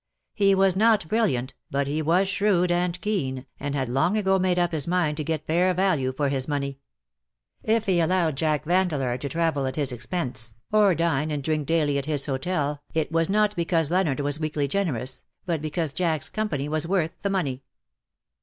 He was not brilliant, but he was shrewd and keen^ and had long ago made up his mind to get fair value for his money. If he allowed Jack Vandeleur to travel at his expense, or 70 " LOVE WILL HAVE HIS DAY." dine and drink daily at his hotel, it was not because Leonard was weakly generous_, but because Jack's company was worth the money.